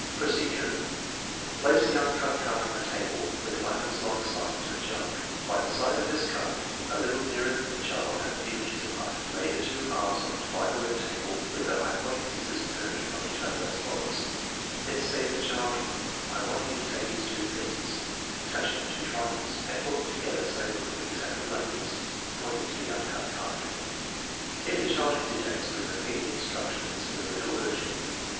Procedure. Place the uncut card on the table with one 170 THE MEASUREMENT OF INTELLIGENCE of its longer sides to the child. By the side of this card, a little nearer the child and a few inches apart, lay the two halves of the divided rectangle with their hypothenuses turned from each other as follows: Then say to the child: " I want you to take these two pieces (touching the two triangles) and put them to gether so they will look exactly like this " (pointing to the uncut card). If the child hesitates, we repeat the instructions with a little urging.